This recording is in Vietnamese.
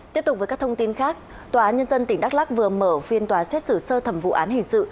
tiếp tục với các thông tin khác tòa nhân dân tỉnh đắk lắc vừa mở phiên tòa xét xử sơ thẩm vụ án hình sự